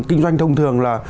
kinh doanh thông thường là